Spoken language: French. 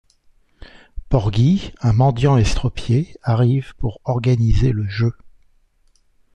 Porgy, un mendiant estropié, arrive pour organiser le jeu.